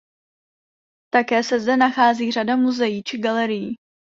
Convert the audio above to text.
Také se zde nachází řada muzeí či galerií.